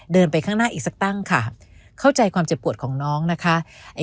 ไปข้างหน้าอีกสักตั้งค่ะเข้าใจความเจ็บปวดของน้องนะคะ